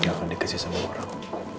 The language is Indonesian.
dia akan dikasih sama orang